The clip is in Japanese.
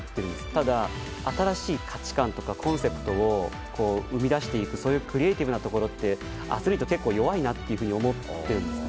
ただ、新しい価値観とかコンセプトを生み出していくそういうクリエーティブなところはアスリートは結構弱いなと思っています。